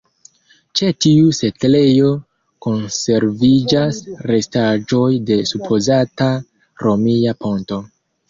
Ĉe tiu setlejo konserviĝas restaĵoj de supozata romia ponto.